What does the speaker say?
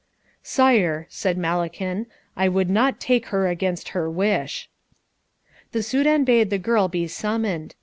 "Sire," said Malakin, "I would not take her against her wish." The Soudan bade the girl be summoned.